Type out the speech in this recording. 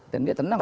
dan dia tenang